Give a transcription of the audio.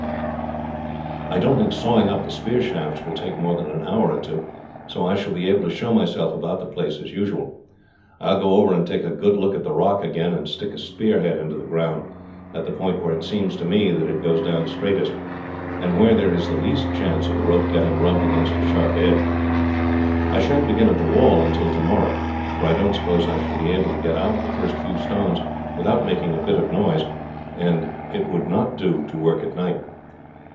"I don't think sawing up the spear shafts will take more than an hour or two, so I shall be able to show myself about the place as usual. I will go over and take a good look at the rock again, and stick a spear head into the ground, at the point where it seems to me that it goes down straightest, and where there is the least chance of the rope getting rubbed against a sharp edge. I sha'n't begin at the wall until tomorrow, for I don't suppose I shall be able to get out the first few stones without making a bit of a noise, and it would not do to work at night.